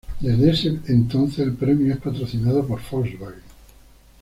Desde ese entonces el premio es patrocinado por Volkswagen.